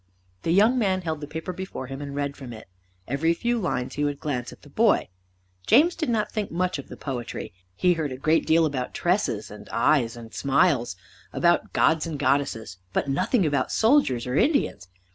The young man held the paper before him, and read from it. Every few lines he would glance at the boy. James did not think much of the poetry. He heard a great deal about tresses, and eyes, and smiles, about Gods and Goddesses, but nothing about soldiers or Indians.